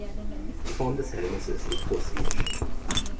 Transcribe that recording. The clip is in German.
Die Form des Helmes ist etruskisch.